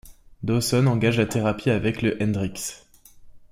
Dawson engage la thérapie avec le Hendricks.